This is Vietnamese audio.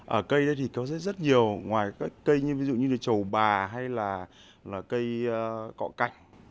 ở cây đây thì có rất nhiều ngoài các cây như chầu bà hay là cây cọ cạnh